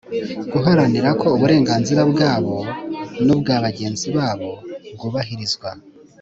guharanira ko uburenganzira bwabo n'ubwa bagenzi babo bwubahirizwa